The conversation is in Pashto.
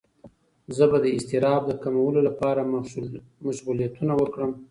زه به د اضطراب د کمولو لپاره مشغولیتونه وکړم.